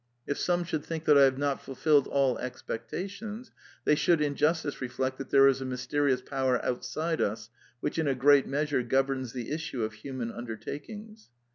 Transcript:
If some should think that I have not fulfilled all expectations, they should in justice reflect that there is a mys terious power outside us, which in a great measure governs the issue of human undertakings."